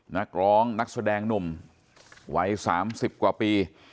นักร้องนักแสดงหนุ่มวัย๓๐กว่าปี